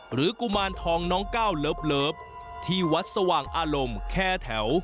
กุมารทองน้องก้าวเลิฟที่วัดสว่างอารมณ์แค่แถว